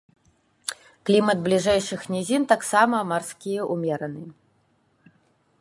Клімат бліжэйшых нізін таксама марскі ўмераны.